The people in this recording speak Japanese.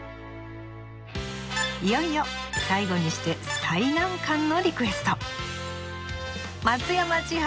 いよいよ最後にして最難関のリクエスト。